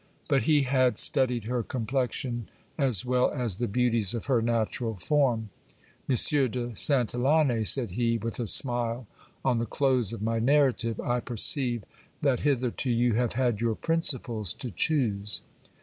But he had studied her complexion, as well as the beauties of her natural form. Monsieur de Santillane, said he with a smile on the close of my narrative, I perceive that hitherto you have had your principles to choose.